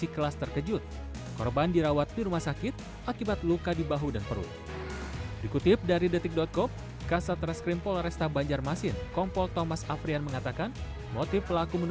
kerap dirundung oleh korban